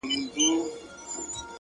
وخت د ارمانونو صداقت ازموي!